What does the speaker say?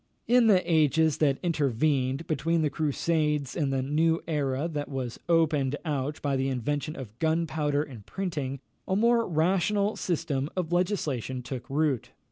In the ages that intervened between the Crusades and the new era that was opened out by the invention of gunpowder and printing, a more rational system of legislation took root.